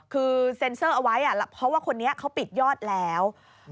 คือเซ็นเซอร์เอาไว้เพราะว่าคนนี้เขาปิดยอดแล้ว